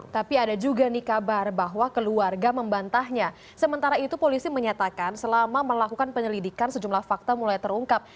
tapi ada juga nih kabar bahwa keluarga membantahnya sementara itu polisi menyatakan selama melakukan penyelidikan sejumlah fakta mulai terungkap